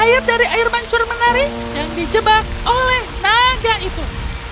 mereka mencari air mancur menari yang di jebak oleh naga itu